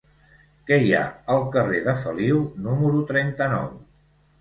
Què hi ha al carrer de Feliu número trenta-nou?